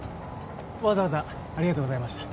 わざわざありがとうございました。